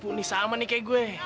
jangan kemana mana dulu ya